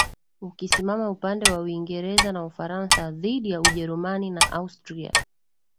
ukisimama upande wa Uingereza na Ufaransa dhidi ya Ujerumani na Austria